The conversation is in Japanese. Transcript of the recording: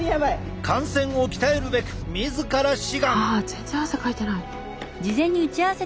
あ全然汗かいてない。